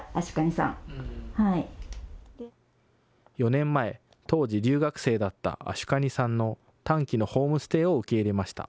４年前、当時留学生だったアシュカニさんの短期のホームステイを受け入れました。